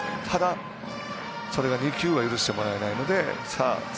ただそれは２球は許してもらえないので。